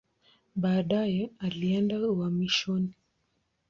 Baadaye alienda uhamishoni.